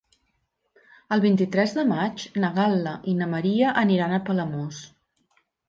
El vint-i-tres de maig na Gal·la i na Maria aniran a Palamós.